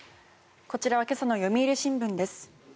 こちらは今朝の読売新聞です。